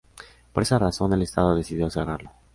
Por esa razón, el Estado decidió cerrarlo.